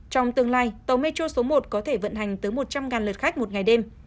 trong tương lai tàu metro số một có thể vận hành tới một trăm linh lượt khách một ngày đêm